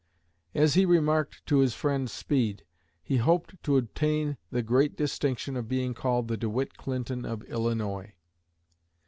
As he remarked to his friend Speed, he hoped to obtain the great distinction of being called "the De Witt Clinton of Illinois."